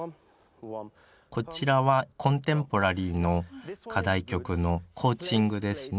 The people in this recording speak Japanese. こちらはコンテンポラリーの課題曲のコーチングですね。